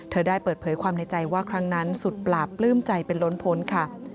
ได้เปิดเผยความในใจว่าครั้งนั้นสุดปราบปลื้มใจเป็นล้นพ้นค่ะ